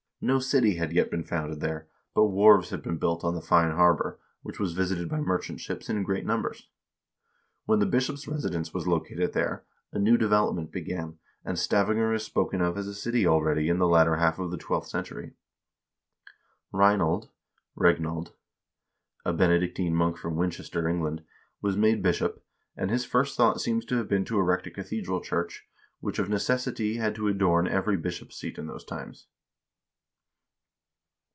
No city had yet been founded there, but wharves had been built on the fine harbor, which was visited by merchant ships in great numbers. When the bishop's residence was located there, a new development began, and Stavanger is spoken of as a city already in the latter half of the twelfth century. Reinald (Reginald), a Benedictine monk from Winchester, England, was made bishop, and his first thought seems to have been to erect a cathedral church, which of necessity had to adorn every bishop's seat in those times.